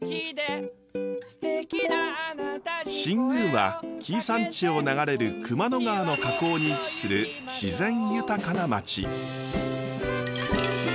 新宮は紀伊山地を流れる熊野川の河口に位置する自然豊かな街。